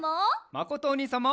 まことおにいさんも！